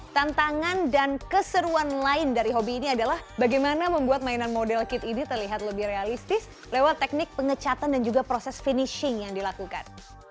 tantangan dan keseruan lain dari hobi ini adalah bagaimana membuat mainan model kit ini terlihat lebih realistis lewat teknik pengecatan dan juga proses finishing yang dilakukan